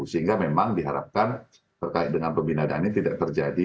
sehingga memang diharapkan terkait dengan pembinaan ini tidak terjadi